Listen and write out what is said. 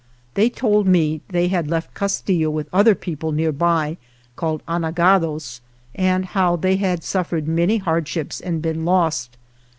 They told me they had left Castillo with other people nearby, called Anagados, and how they had suffered many hardships and been lost.